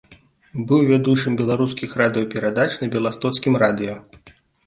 Быў вядучым беларускіх радыёперадач на беластоцкім радыё.